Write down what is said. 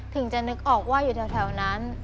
ถึงจะนึกออกว่าอยู่แถวนั้น